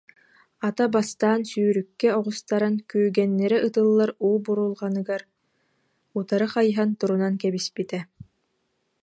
Ата бастаан сүүрүккэ оҕустаран күүгэннирэ ытыллар уу бурулҕаныгар утары хайыһан турунан кэбиспитэ